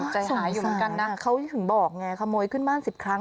สงสัยนะเขาถึงบอกไงขโมยขึ้นบ้าน๑๐ครั้ง